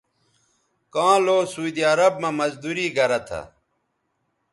کاں لو سعودی عرب مہ مزدوری گرہ تھہ